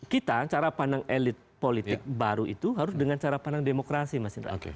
kita cara pandang elit politik baru itu harus dengan cara pandang demokrasi mas indra